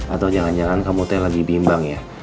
atau jangan jangan kamu teh lagi bimbang ya